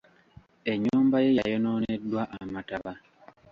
Ennyumba ye yayonooneddwa amataba.